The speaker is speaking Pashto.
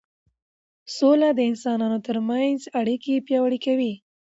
سوله د انسانانو ترمنځ اړیکې پیاوړې کوي